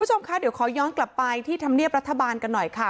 คุณผู้ชมคะเดี๋ยวขอย้อนกลับไปที่ธรรมเนียบรัฐบาลกันหน่อยค่ะ